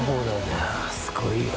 いやすごいよ。